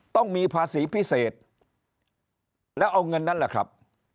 ต้องมีภาษีพิเศษแล้วเอาเงินนั้นแหละครับ